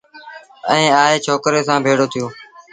ائيٚݩ آئي ڇوڪري سآݩ ڀيڙو ٿيٚو